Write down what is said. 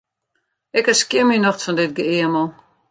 Ik ha skjin myn nocht fan dit geëamel.